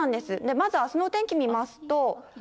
まずあすの天気見ますと。